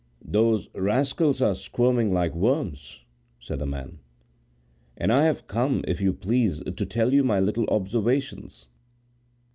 "Those rascals are squirming like worms," said the man; "and I have come, if you please, to tell you my little observations."